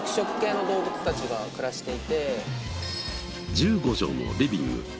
１５畳のリビング